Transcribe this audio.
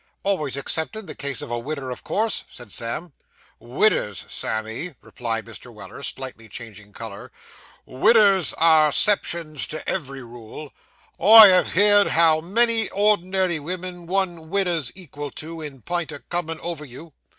'Always exceptin' the case of a widder, of course,' said Sam. 'Widders, Sammy,' replied Mr. Weller, slightly changing colour. 'Widders are 'ceptions to ev'ry rule. I have heerd how many ordinary women one widder's equal to in pint o' comin' over you.